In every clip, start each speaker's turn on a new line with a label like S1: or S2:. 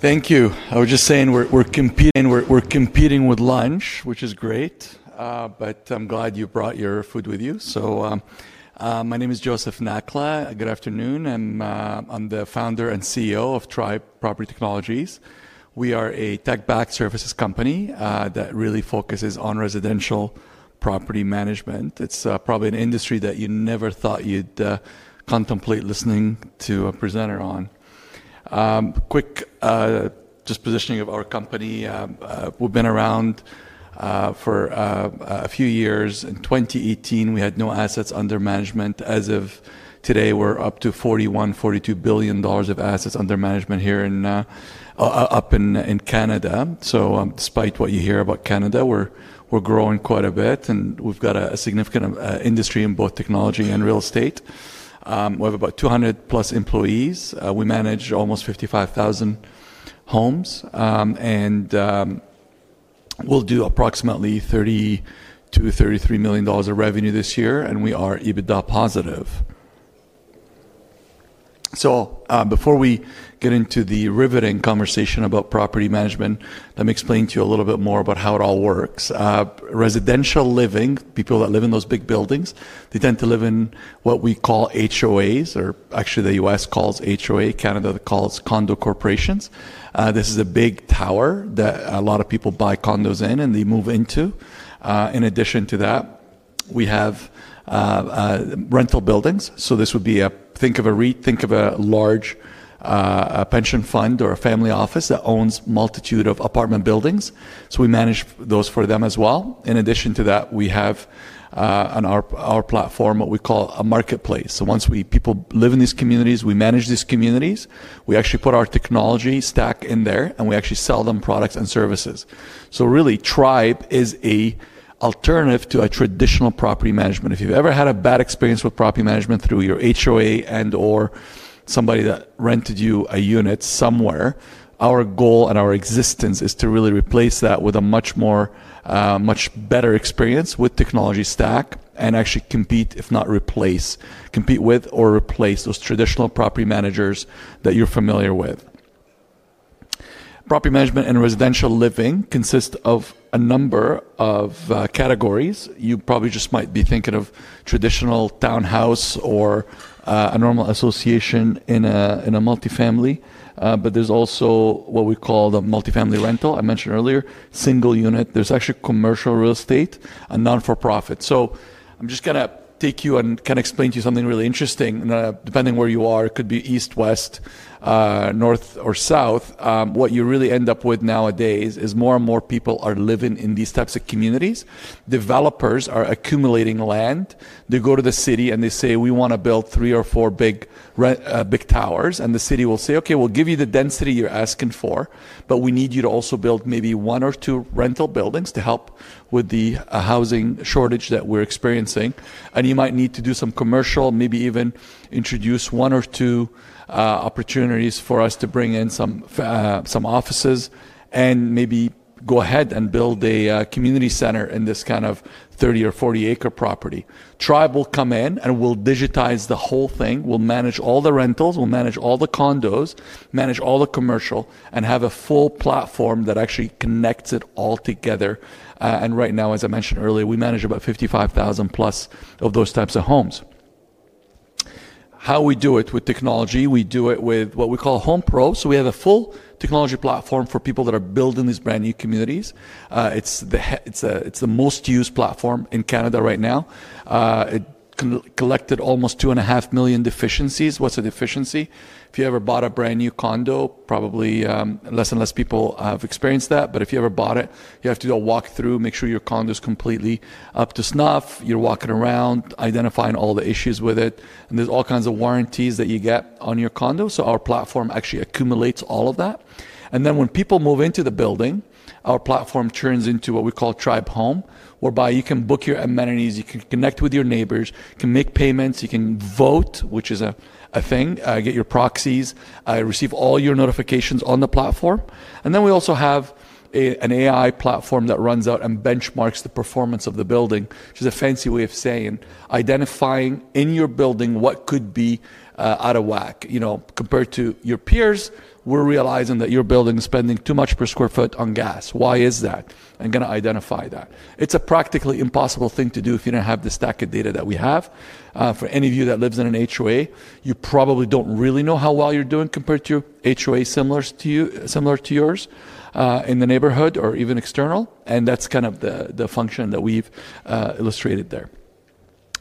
S1: Thank you. I was just saying we're competing with lunch, which is great, but I'm glad you brought your food with you. My name is Joseph Nakhla. Good afternoon. I'm the Founder and CEO of Tribe Property Technologies. We are a tech-backed services company that really focuses on residential property management. It's probably an industry that you never thought you'd contemplate listening to a presenter on. Quick just positioning of our company. We've been around for a few years. In 2018, we had no assets under management. As of today, we're up to $41.042 billion of assets under management here in Canada. Despite what you hear about Canada, we're growing quite a bit, and we've got a significant industry in both technology and real estate. We have about 200+ employees. We manage almost 55,000 homes, and we'll do approximately $30 million-$33 million of revenue this year, and we are EBITDA positive. Before we get into the riveting conversation about property management, let me explain to you a little bit more about how it all works. Residential living, people that live in those big buildings, they tend to live in what we call HOAs, or actually the U.S. calls HOA, Canada calls condo corporations. This is a big tower that a lot of people buy condos in and they move into. In addition to that, we have rental buildings. This would be a think of a large pension fund or a family office that owns a multitude of apartment buildings. We manage those for them as well. In addition to that, we have on our platform what we call a marketplace. Once people live in these communities, we manage these communities. We actually put our technology stack in there, and we actually sell them products and services. Tribe is an alternative to a traditional property management. If you've ever had a bad experience with property management through your HOA and/or somebody that rented you a unit somewhere, our goal and our existence is to really replace that with a much better experience with technology stack and actually compete, if not replace, compete with or replace those traditional property managers that you're familiar with. Property management and residential living consist of a number of categories. You probably just might be thinking of traditional townhouse or a normal association in a multifamily, but there's also what we call the multifamily rental I mentioned earlier, single unit. There's actually commercial real estate and non-for-profit. I'm just going to take you and kind of explain to you something really interesting. Depending where you are, it could be east, west, north, or south. What you really end up with nowadays is more and more people are living in these types of communities. Developers are accumulating land. They go to the city and they say, "We want to build three or four big towers," and the city will say, "Okay, we'll give you the density you're asking for, but we need you to also build maybe one or two rental buildings to help with the housing shortage that we're experiencing." You might need to do some commercial, maybe even introduce one or two opportunities for us to bring in some offices and maybe go ahead and build a community center in this kind of 30 or 40-acre property. Tribe will come in and we'll digitize the whole thing. We'll manage all the rentals, we'll manage all the condos, manage all the commercial, and have a full platform that actually connects it all together. Right now, as I mentioned earlier, we manage about 55,000+ of those types of homes. How we do it with technology, we do it with what we call Tribe Home Pro. We have a full technology platform for people that are building these brand new communities. It's the most used platform in Canada right now. It collected almost $2.5 million deficiencies. What's a deficiency? If you ever bought a brand new condo, probably less and less people have experienced that, but if you ever bought it, you have to do a walkthrough, make sure your condo is completely up to snuff, you're walking around, identifying all the issues with it, and there's all kinds of warranties that you get on your condo. Our platform actually accumulates all of that. When people move into the building, our platform turns into what we call Tribe Home, whereby you can book your amenities, you can connect with your neighbors, you can make payments, you can vote, which is a thing, get your proxies, receive all your notifications on the platform. We also have an AI platform that runs out and benchmarks the performance of the building, which is a fancy way of saying identifying in your building what could be out of whack. Compared to your peers, we're realizing that your building and spending too much per square foot on gas. Why is that? I'm going to identify that. It's a practically impossible thing to do if you don't have the stack of data that we have. For any of you that lives in an HOA, you probably don't really know how well you're doing compared to HOAs similar to yours in the neighborhood or even external. That's kind of the function that we've illustrated there.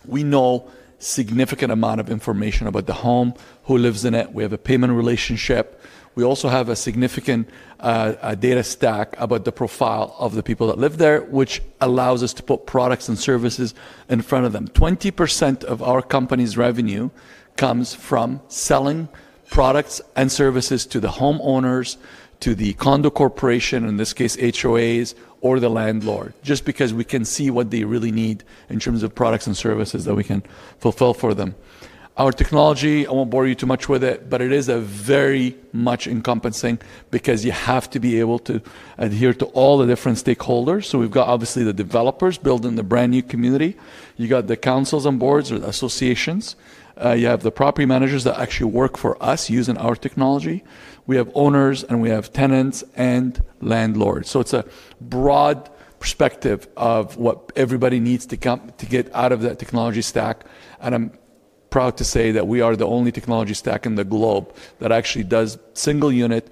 S1: We know a significant amount of information about the home, who lives in it, we have a payment relationship. We also have a significant data stack about the profile of the people that live there, which allows us to put products and services in front of them. 20% of our company's revenue comes from selling products and services to the homeowners, to the condo corporation, in this case HOAs, or the landlord, just because we can see what they really need in terms of products and services that we can fulfill for them. Our technology, I won't bore you too much with it, but it is very much encompassing because you have to be able to adhere to all the different stakeholders. We've got obviously the developers building the brand new community. You've got the councils and boards or associations. You have the property managers that actually work for us using our technology. We have owners and we have tenants and landlords. It's a broad perspective of what everybody needs to get out of that technology stack. I'm proud to say that we are the only technology stack in the globe that actually does single unit,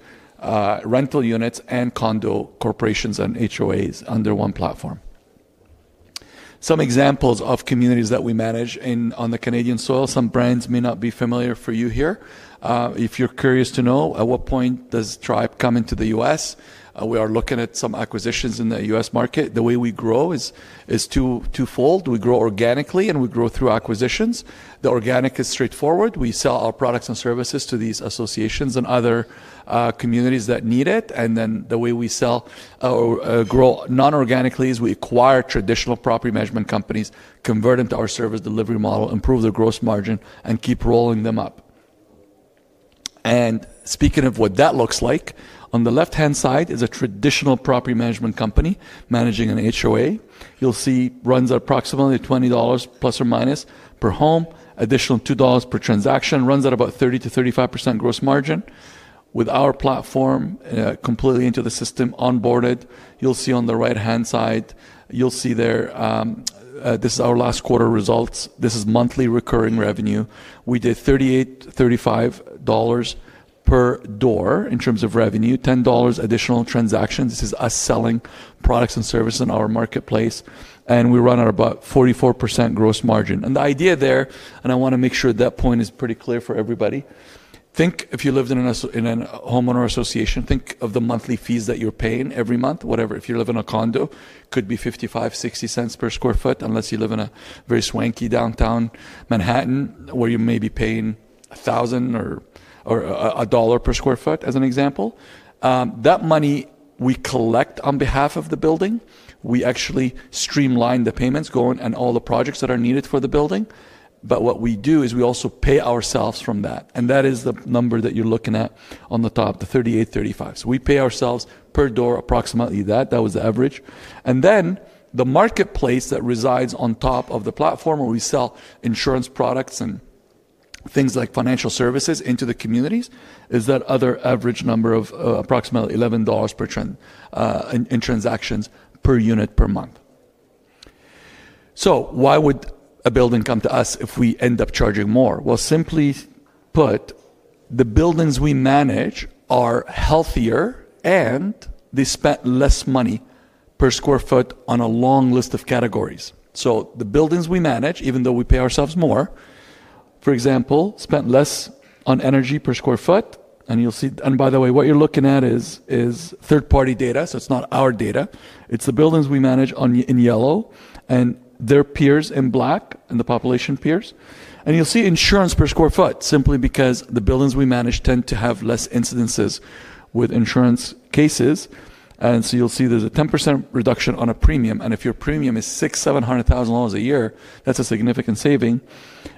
S1: rental units, and condo corporations and HOAs under one platform. Some examples of communities that we manage on the Canadian soil, some brands may not be familiar for you here. If you're curious to know, at what point does Tribe come into the U.S.? We are looking at some acquisitions in the U.S. market. The way we grow is twofold. We grow organically and we grow through acquisitions. The organic is straightforward. We sell our products and services to these associations and other communities that need it. The way we sell or grow non-organically is we acquire traditional property management companies, convert into our service delivery model, improve the gross margin, and keep rolling them up. Speaking of what that looks like, on the left-hand side is a traditional property management company managing an HOA. You'll see it runs at approximately $20± per home, additional $2 per transaction, runs at about 30%-35% gross margin. With our platform completely into the system onboarded, you'll see on the right-hand side, you'll see there, this is our last quarter results. This is monthly recurring revenue. We did $38-$35 per door in terms of revenue, $10 additional transactions. This is us selling products and services in our marketplace. We run at about 44% gross margin. The idea there, and I want to make sure that point is pretty clear for everybody, think if you lived in a homeowner association, think of the monthly fees that you're paying every month, whatever. If you live in a condo, it could be $0.55, $0.60 per square foot, unless you live in a very swanky downtown Manhattan where you may be paying $1,000 or $1 per square foot as an example. That money we collect on behalf of the building. We actually streamline the payments going and all the projects that are needed for the building. What we do is we also pay ourselves from that. That is the number that you're looking at on the top, the $38, $35. We pay ourselves per door approximately that. That was the average. The marketplace that resides on top of the platform where we sell insurance products and things like financial services into the communities is that other average number of approximately $11 per transaction per unit per month. Why would a building come to us if we end up charging more? Simply put, the buildings we manage are healthier and they spent less money per square foot on a long list of categories. The buildings we manage, even though we pay ourselves more, for example, spent less on energy per square foot. You'll see, and by the way, what you're looking at is third-party data. It's not our data. It's the buildings we manage in yellow and their peers in black and the population peers. You'll see insurance per square foot, simply because the buildings we manage tend to have less incidences with insurance cases. You'll see there's a 10% reduction on a premium. If your premium is $600,000, $700,000 a year, that's a significant saving.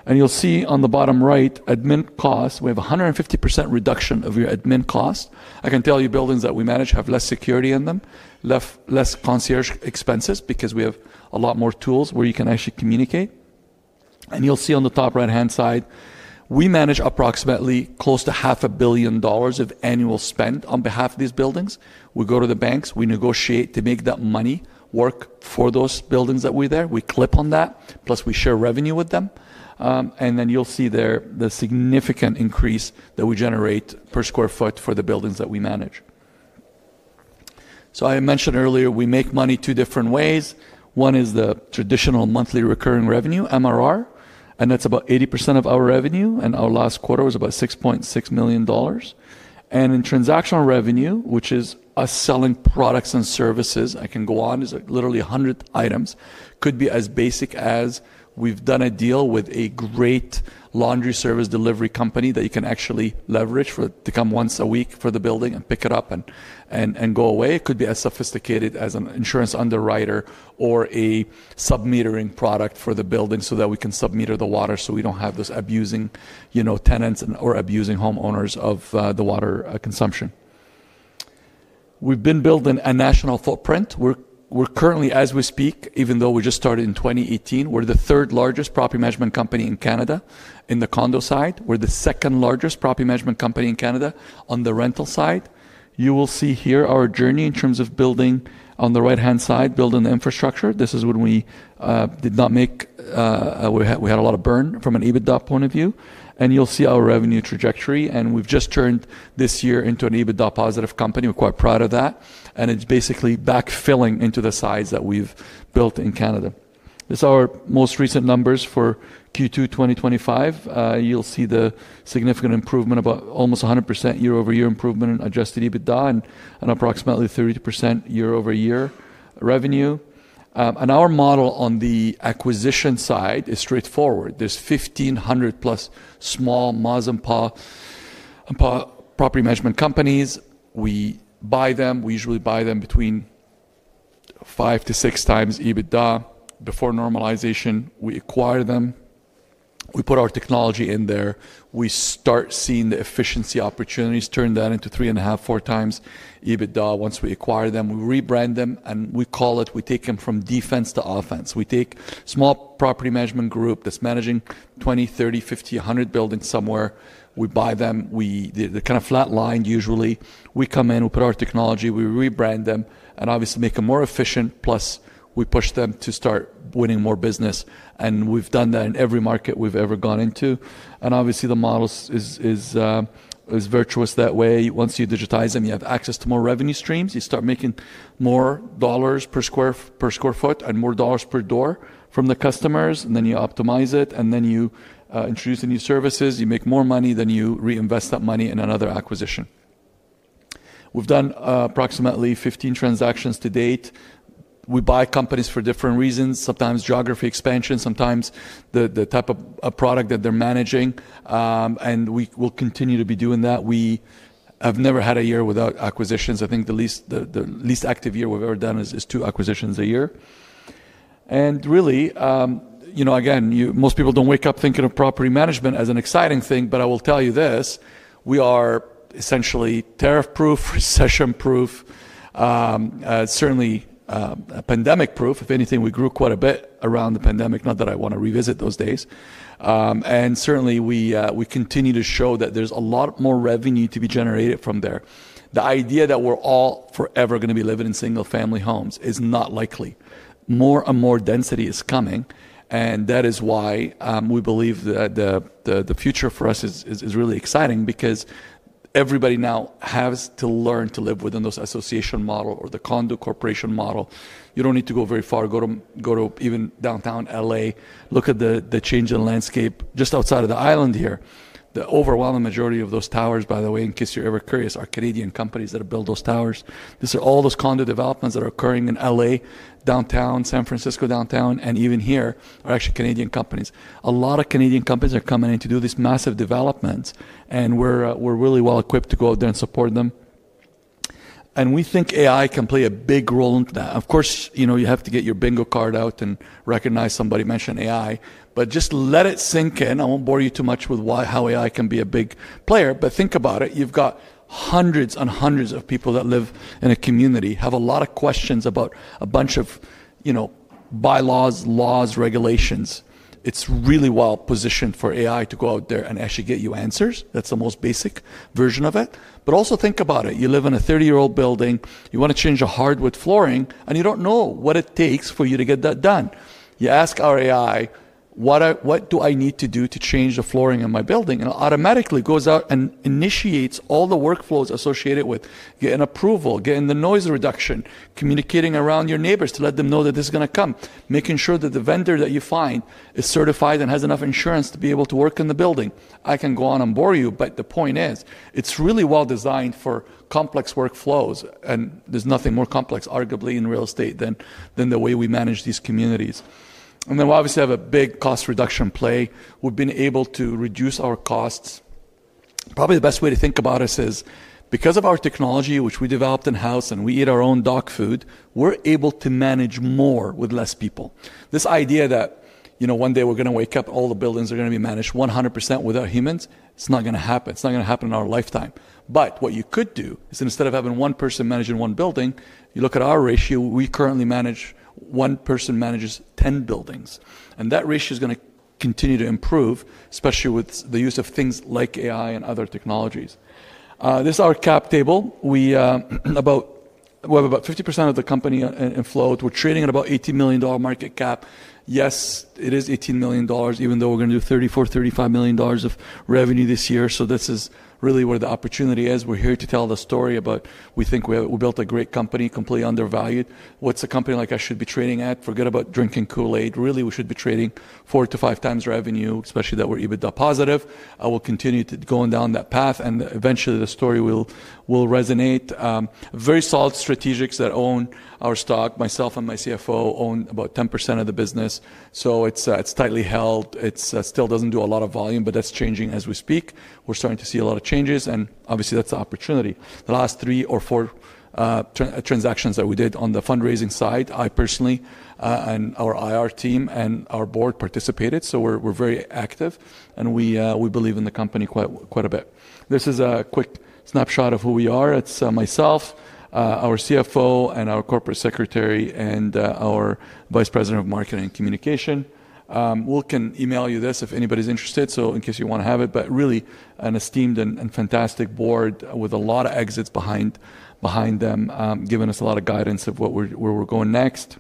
S1: You'll see on the bottom right, admin cost, we have a 150% reduction of your admin cost. I can tell you buildings that we manage have less security in them, less concierge expenses because we have a lot more tools where you can actually communicate. You'll see on the top right-hand side, we manage approximately close to half a billion dollars of annual spend on behalf of these buildings. We go to the banks, we negotiate to make that money work for those buildings that we're there. We clip on that, plus we share revenue with them. You'll see there the significant increase that we generate per square foot for the buildings that we manage. I mentioned earlier, we make money two different ways. One is the traditional monthly recurring revenue, MRR, and that's about 80% of our revenue. Our last quarter was about $6.6 million. In transactional revenue, which is us selling products and services, I can go on, is literally 100 items. It could be as basic as we've done a deal with a great laundry service delivery company that you can actually leverage to come once a week for the building and pick it up and go away. It could be as sophisticated as an insurance underwriter or a submetering product for the building so that we can submeter the water so we don't have those abusing tenants or abusing homeowners of the water consumption. We've been building a national footprint. We're currently, as we speak, even though we just started in 2018, the third largest property management company in Canada in the condo side. We're the second largest property management company in Canada on the rental side. You will see here our journey in terms of building on the right-hand side, building the infrastructure. This is when we did not make, we had a lot of burn from an EBITDA point of view. You'll see our revenue trajectory. We've just turned this year into an EBITDA positive company. We're quite proud of that. It's basically backfilling into the size that we've built in Canada. This is our most recent numbers for Q2 2025. You'll see the significant improvement of almost 100% year-over-year improvement in adjusted EBITDA and approximately 30% year-over-year revenue. Our model on the acquisition side is straightforward. There are 1,500+ small, ma and pa property management companies. We buy them. We usually buy them between five to six times EBITDA before normalization. We acquire them, we put our technology in there, we start seeing the efficiency opportunities, turn that into three and a half, four times EBITDA once we acquire them. We rebrand them and we call it, we take them from defense to offense. We take a small property management group that's managing 20, 30, 50, 100 buildings somewhere. We buy them. They're kind of flatlined usually. We come in, we put our technology, we rebrand them, and obviously make them more efficient, plus we push them to start winning more business. We've done that in every market we've ever gone into. Obviously, the model is virtuous that way. Once you digitize them, you have access to more revenue streams. You start making more dollars per square foot and more dollars per door from the customers. You optimize it, and then you introduce new services. You make more money. You reinvest that money in another acquisition. We've done approximately 15 transactions to date. We buy companies for different reasons, sometimes geography expansion, sometimes the type of product that they're managing. We will continue to be doing that. We have never had a year without acquisitions. I think the least active year we've ever done is two acquisitions a year. Really, you know, most people don't wake up thinking of property management as an exciting thing, but I will tell you this. We are essentially tariff-proof, recession-proof, certainly pandemic-proof. If anything, we grew quite a bit around the pandemic, not that I want to revisit those days. Certainly, we continue to show that there's a lot more revenue to be generated from there. The idea that we're all forever going to be living in single-family homes is not likely. More and more density is coming. That is why we believe that the future for us is really exciting because everybody now has to learn to live within those association models or the condo corporation model. You don't need to go very far. Go to even downtown LA, look at the change in landscape just outside of the island here. The overwhelming majority of those towers, by the way, in case you're ever curious, are Canadian companies that have built those towers. These are all those condo developments that are occurring in LA, downtown, San Francisco, downtown, and even here are actually Canadian companies. A lot of Canadian companies are coming in to do these massive developments, and we're really well equipped to go out there and support them. We think AI can play a big role into that. Of course, you know, you have to get your bingo card out and recognize somebody mentioned AI, but just let it sink in. I won't bore you too much with how AI can be a big player, but think about it. You've got hundreds and hundreds of people that live in a community, have a lot of questions about a bunch of, you know, bylaws, laws, regulations. It's really well positioned for AI to go out there and actually get you answers. That's the most basic version of it. Also, think about it. You live in a 30-year-old building. You want to change a hardwood flooring, and you don't know what it takes for you to get that done. You ask our AI, what do I need to do to change the flooring in my building? It automatically goes out and initiates all the workflows associated with getting approval, getting the noise reduction, communicating around your neighbors to let them know that this is going to come, making sure that the vendor that you find is certified and has enough insurance to be able to work in the building. I can go on and bore you, but the point is, it's really well designed for complex workflows, and there's nothing more complex, arguably, in real estate than the way we manage these communities. We obviously have a big cost reduction play. We've been able to reduce our costs. Probably the best way to think about us is because of our technology, which we developed in-house, and we eat our own dog food, we're able to manage more with less people. This idea that, you know, one day we're going to wake up, all the buildings are going to be managed 100% without humans, it's not going to happen. It's not going to happen in our lifetime. What you could do is instead of having one person managing one building, you look at our ratio. We currently manage, one person manages 10 buildings. That ratio is going to continue to improve, especially with the use of things like AI and other technologies. This is our cap table. We have about 50% of the company inflowed. We're trading at about $18 million market cap. Yes, it is $18 million, even though we're going to do $34 million-$35 million of revenue this year. This is really where the opportunity is. We're here to tell the story about we think we built a great company, completely undervalued. What's a company like us should be trading at? Forget about drinking Kool-Aid. Really, we should be trading four to five times revenue, especially that we're EBITDA positive. I will continue to go down that path, and eventually the story will resonate. Very solid strategics that own our stock. Myself and my CFO own about 10% of the business. It's tightly held. It still doesn't do a lot of volume, but that's changing as we speak. We're starting to see a lot of changes, and obviously that's an opportunity. The last three or four transactions that we did on the fundraising side, I personally and our IR team and our board participated. We're very active, and we believe in the company quite a bit. This is a quick snapshot of who we are. It's myself, our CFO, our Corporate Secretary, and our Vice President of Marketing and Communication. Will can email you this if anybody's interested, in case you want to have it, but really an esteemed and fantastic board with a lot of exits behind them, giving us a lot of guidance of where we're going next.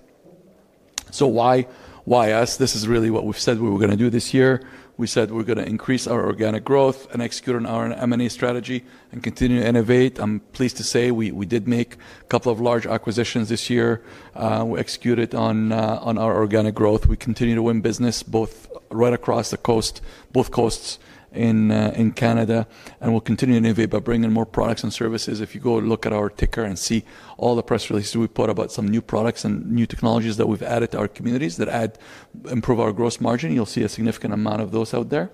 S1: Why us? This is really what we've said we were going to do this year. We said we're going to increase our organic growth and execute on our M&A strategy and continue to innovate. I'm pleased to say we did make a couple of large acquisitions this year. We executed on our organic growth. We continue to win business right across both coasts in Canada, and we continue to innovate by bringing more products and services. If you go look at our ticker and see all the press releases we put about some new products and new technologies that we've added to our communities that improve our gross margin, you'll see a significant amount of those out there.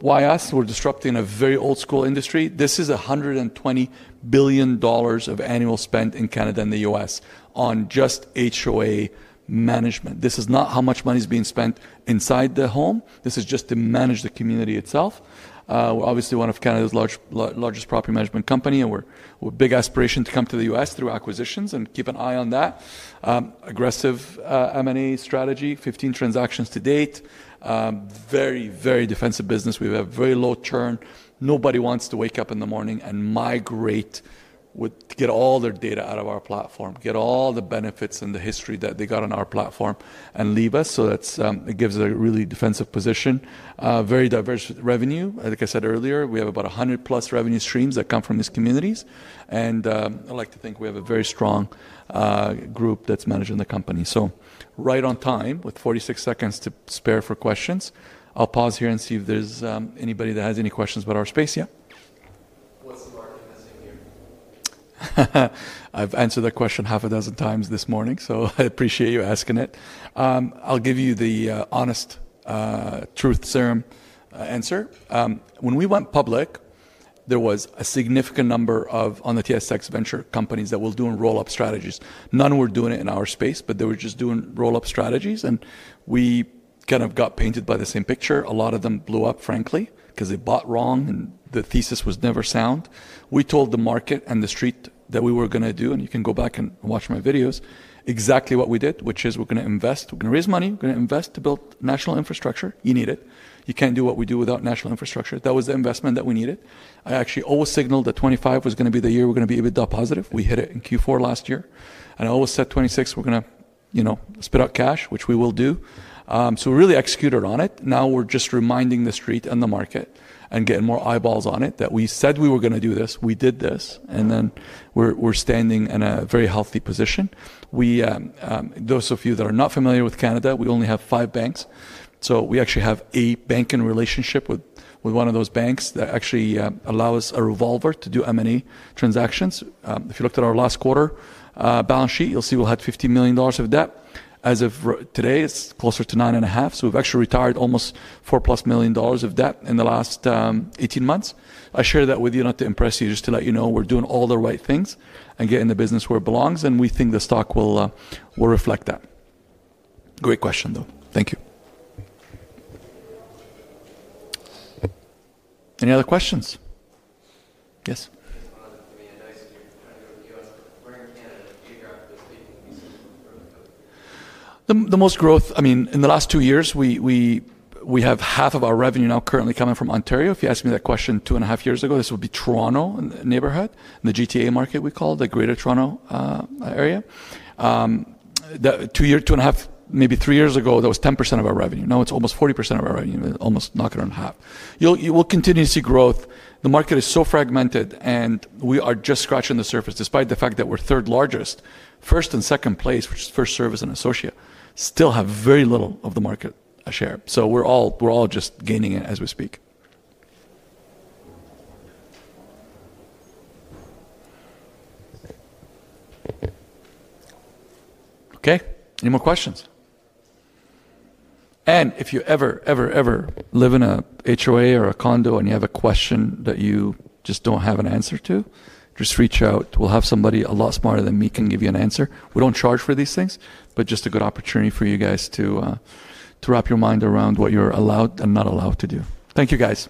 S1: Why us? We're disrupting a very old school industry. This is $120 billion of annual spend in Canada and the U.S. on just HOA management. This is not how much money is being spent inside the home. This is just to manage the community itself. We're obviously one of Canada's largest property management companies, and we have a big aspiration to come to the U.S. through acquisitions and keep an eye on that. Aggressive M&A strategy, 15 transactions to date. Very, very defensive business. We have very low churn. Nobody wants to wake up in the morning and migrate to get all their data out of our platform, get all the benefits and the history that they got on our platform, and leave us. It gives a really defensive position. Very diverse revenue. Like I said earlier, we have about 100+ revenue streams that come from these communities. I like to think we have a very strong group that's managing the company. Right on time with 46 seconds to spare for questions. I'll pause here and see if there's anybody that has any questions about our space yet. What's the market missing here? I've answered that question half a dozen times this morning, so I appreciate you asking it. I'll give you the honest truth serum answer. When we went public, there was a significant number of enterprise tech venture companies that were doing roll-up strategies. None were doing it in our space, but they were just doing roll-up strategies. We kind of got painted by the same picture. A lot of them blew up, frankly, because they bought wrong, and the thesis was never sound. We told the market and the street that we were going to do, and you can go back and watch my videos, exactly what we did, which is we're going to invest, we're going to raise money, we're going to invest to build national infrastructure. You need it. You can't do what we do without national infrastructure. That was the investment that we needed. I actually always signaled that 2025 was going to be the year we're going to be EBITDA positive. We hit it in Q4 last year. I always said 2026, we're going to spit out cash, which we will do. We really executed on it. Now we're just reminding the street and the market and getting more eyeballs on it that we said we were going to do this. We did this. We're standing in a very healthy position. Those of you that are not familiar with Canada, we only have five banks. We actually have a banking relationship with one of those banks that actually allows a revolver to do M&A transactions. If you looked at our last quarter balance sheet, you'll see we have $15 million of debt. As of today, it's closer to $9.5 million. We've actually retired almost $4 million of debt in the last 18 months. I share that with you not to impress you, just to let you know we're doing all the right things and getting the business where it belongs. We think the stock will reflect that. Great question, though. Thank you. Any other questions? Yes? I mean, I know you're kind of U.S., but we're in Canada. Do you have the biggest pieces of the growth? The most growth, I mean, in the last two years, we have half of our revenue now currently coming from Ontario. If you asked me that question two and a half years ago, this would be Toronto neighborhood, the GTA market we call, the Greater Toronto Area. Two years, two and a half, maybe three years ago, that was 10% of our revenue. Now it's almost 40% of our revenue, almost knock it on half. We'll continue to see growth. The market is so fragmented, and we are just scratching the surface, despite the fact that we're third largest. First and second place, which is First Service and Associate, still have very little of the market share. We're all just gaining it as we speak. Okay. Any more questions? If you ever, ever, ever live in an HOA or a condo and you have a question that you just don't have an answer to, just reach out. We'll have somebody a lot smarter than me can give you an answer. We don't charge for these things, but just a good opportunity for you guys to wrap your mind around what you're allowed and not allowed to do. Thank you, guys.